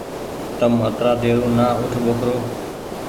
تم اترآ ديرو نآ اوٺ ٻوکرو۔